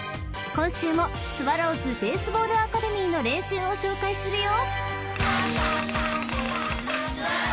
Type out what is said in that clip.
今週もスワローズベースボールアカデミーの練習を紹介するよ］